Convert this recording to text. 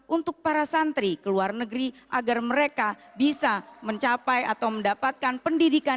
untuk para santri ke luar negeri agar mereka bisa mencapai atau mendapatkan pendidikan